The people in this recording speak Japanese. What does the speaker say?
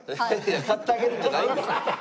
買ってあげるんじゃないんか？